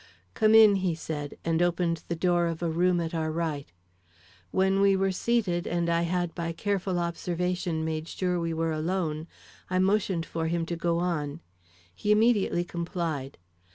"Come in," he said, and opened the door of a room at our right. When we were seated and I had by careful observation made sure we were alone, I motioned for him to go on. He immediately complied.